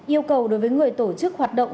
yêu cầu đối với người tổ chức hoạt động